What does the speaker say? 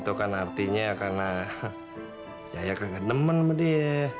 itu kan artinya karena jaya kagak nemen sama dia